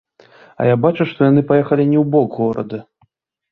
А я бачу, што яны паехалі не ў бок горада.